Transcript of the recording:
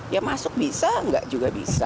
ya masuk bisa enggak juga bisa